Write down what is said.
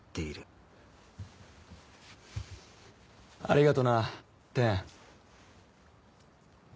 ありがとな貂。